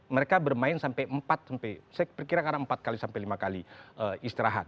mereka bermain sampai empat sampai perkirakan empat kali sampai lima kali istirahat